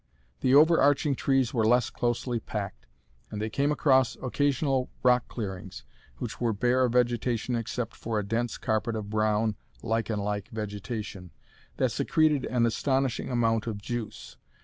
The over arching trees were less closely packed, and they came across occasional rock clearings which were bare of vegetation except for a dense carpet of brown, lichenlike vegetation that secreted an astonishing amount of juice.